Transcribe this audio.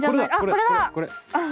これだ！